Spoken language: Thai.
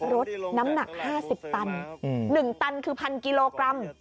รถน้ำหนัก๕๐ตัน๑ตันคือ๑๐๐กิโลกรัม